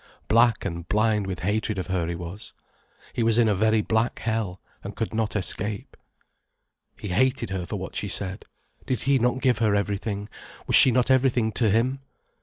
Black and blind with hatred of her he was. He was in a very black hell, and could not escape. He hated her for what she said. Did he not give her everything, was she not everything to him?